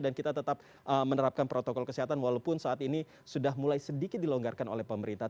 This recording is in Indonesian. dan kita tetap menerapkan protokol kesehatan walaupun saat ini sudah mulai sedikit dilonggarkan oleh pemerintah